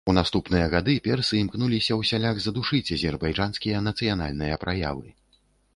У наступныя гады персы імкнуліся ўсяляк здушыць азербайджанскія нацыянальныя праявы.